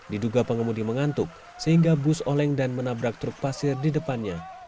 diduga pengemudi mengantuk sehingga bus oleng dan menabrak truk pasir di depannya